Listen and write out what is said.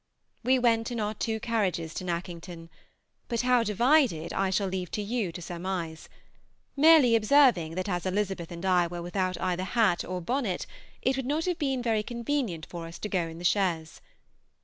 We went in our two carriages to Nackington; but how we divided I shall leave you to surmise, merely observing that as Elizabeth and I were without either hat or bonnet, it would not have been very convenient for us to go in the chaise.